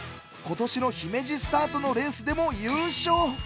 今年の姫路スタートのレースでも優勝！